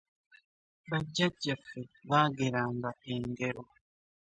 Bajjajjaffe bageranga engero